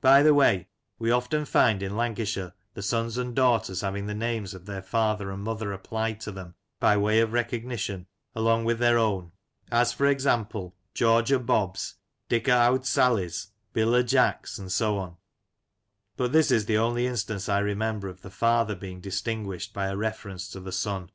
By the way, we often find in Lancashire the sons and daughters having the names of their father and mother applied to them by way of recognition along with their own, as, for example, " George o' Bobs," " Dick o'owd Sally's," " Bill o' Jacks," and so on ; but this is the only instance I remember of the father being distinguished by a reference to the son.